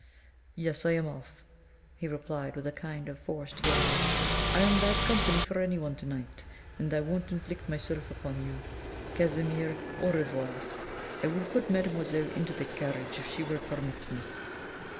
"Yes, I am off," he replied, with a kind of forced gaiety; "I am bad company for anyone to night, and I won't inflict myself upon you, Casimir. Au revoir! I will put mademoiselle into the carriage if she will permit me."